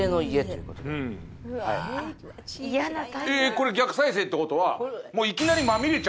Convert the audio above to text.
これ逆再生ってことは。